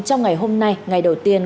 trong ngày hôm nay ngày đầu tiên